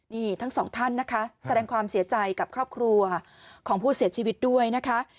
นี่ทั้งสองท่านนะคะแสดงความเสียใจกับครอบครัวของผู้เสียชีวิตด้วยนะคะ